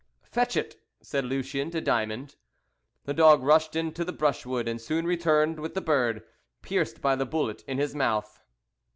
"Fetch it!" said Lucien to Diamond. The dog rushed into the brushwood, and soon returned with the bird, pierced by the bullet, in his mouth.